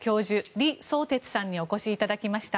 李相哲さんにお越しいただきました。